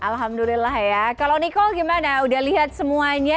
alhamdulillah ya kalau niko gimana udah lihat semuanya